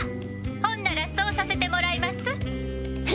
ほんならそうさせてもらいます。